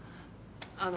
あの。